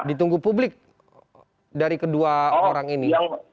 ditunggu publik dari kedua orang ini